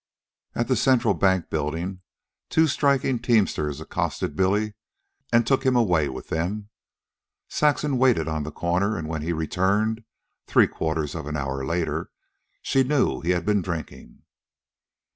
At the Central Bank Building, two striking teamsters accosted Billy and took him away with them. Saxon waited on the corner, and when he returned, three quarters of an hour later, she knew he had been drinking.